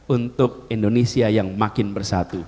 untuk indonesia yang makin bersatu